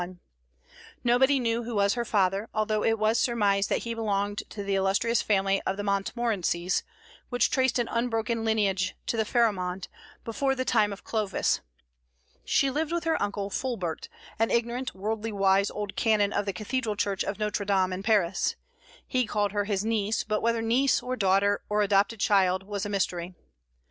Nobody knew who was her father, although it was surmised that he belonged to the illustrious family of the Montmorencies, which traced an unbroken lineage to Pharimond, before the time of Clovis. She lived with her uncle Fulbert, an ignorant, worldly wise old canon of the Cathedral Church of Notre Dame in Paris. He called her his niece; but whether niece, or daughter, or adopted child, was a mystery.